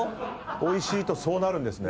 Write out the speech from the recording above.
おいしいとそうなるんですね。